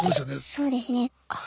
そうですね。